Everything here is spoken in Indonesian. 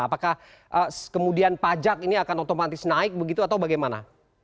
apakah kemudian pajak ini akan otomatis naik begitu atau bagaimana